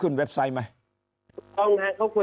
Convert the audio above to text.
อย่างนั้นเนี่ยถ้าเราไม่มีอะไรที่จะเปรียบเทียบเราจะทราบได้ไงฮะเออ